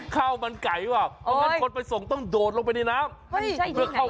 ข้ามันไก่อ่ะโดยก็คิดไปส่งต้องโดดลงไปในน้ำ